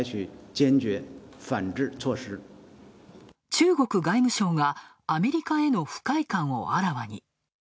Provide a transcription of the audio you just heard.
中国外務省が、アメリカへの不快感をあらわに。